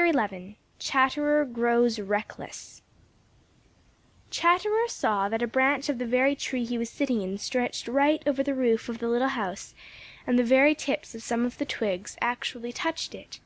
*XI* *CHATTERER GROWS RECKLESS* Chatterer saw that a branch of the very tree he was sitting in stretched right over the roof of the little house and the very tips of some of the twigs actually touched it.